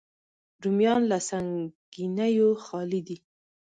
رومیان له سنګینیو خالي دي